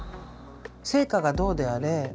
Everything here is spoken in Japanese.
成果がどうであれ